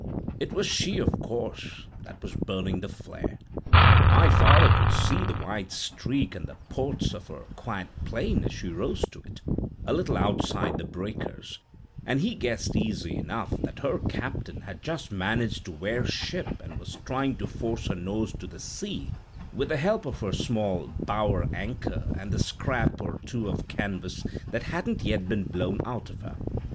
It was she, of course, that was burning the flare. My father could see the white streak and the ports of her quite plain as she rose to it, a little outside the breakers, and he guessed easy enough that her captain had just managed to wear ship and was trying to force her nose to the sea with the help of her small bower anchor and the scrap or two of canvas that hadn't yet been blown out of her.